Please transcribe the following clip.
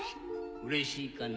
うれしいかね？